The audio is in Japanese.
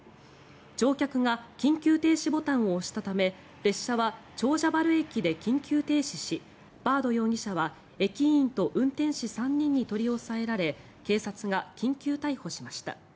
乗客が緊急停止ボタンを押したため列車は長者原駅で緊急停止しバード容疑者は駅員と運転士３人に取り押さえられ警察が緊急逮捕しました。